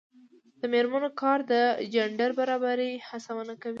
د میرمنو کار د جنډر برابرۍ هڅونه کوي.